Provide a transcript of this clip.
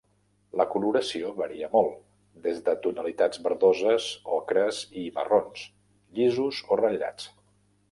La coloració varia molt, des de tonalitats verdoses, ocres i marrons, llisos o ratllats.